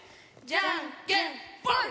じゃんけんぽん！